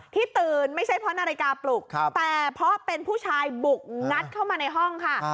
ที่ตื่นไม่ใช่เพราะนาฬิกาปลุกแต่เพราะเป็นผู้ชายบุกงัดเข้ามาในห้องค่ะ